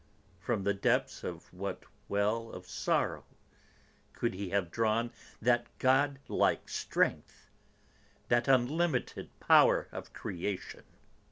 From the depths of what well of sorrow could he have drawn that god like strength, that unlimited power of creation?